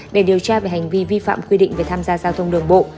để điều tra về hành vi vi phạm quy định về tham gia giao thông đường bộ